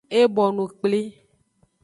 E bonu kpli.